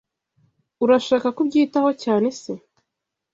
Urashaka kubyitaho cyane se?